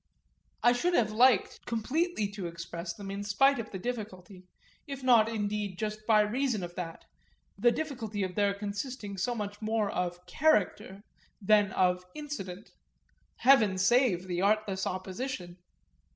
I should have liked completely to express them, in spite of the difficulty if not indeed just by reason of that; the difficulty of their consisting so much more of "character" than of "incident" (heaven save the artless opposition!)